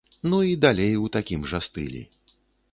Ну і далей у такім жа стылі.